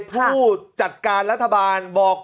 ผู้จัดการรัฐบาลบอก